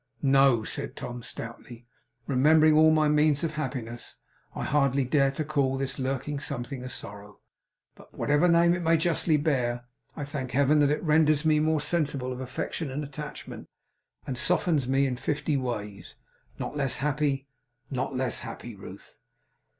No,' said Tom stoutly. 'Remembering all my means of happiness, I hardly dare to call this lurking something a sorrow; but whatever name it may justly bear, I thank Heaven that it renders me more sensible of affection and attachment, and softens me in fifty ways. Not less happy. Not less happy, Ruth!